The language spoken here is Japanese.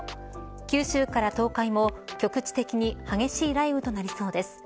九州から東海も局地的に激しい雷雨となりそうです。